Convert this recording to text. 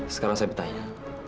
sekarang saya bertanya